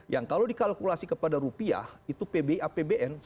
yang kalau dikalkulasi kepada rupiah itu pbi apbn